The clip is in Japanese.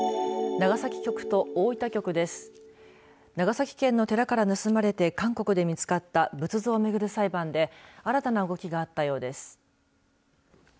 長崎県の寺から盗まれて韓国で見つかった仏像をめぐる裁判で新たな動きがあったようです。